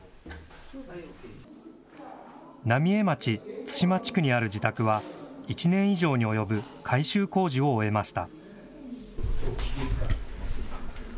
浪江町津島地区にある自宅は、１年以上に及ぶ改修工事を終えました。